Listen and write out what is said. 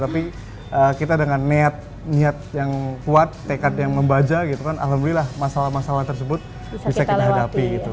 tapi kita dengan niat niat yang kuat tekad yang membaja gitu kan alhamdulillah masalah masalah tersebut bisa kita hadapi gitu